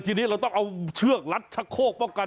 ที่นี้เราต้องเอาเชือกลัดชะโคก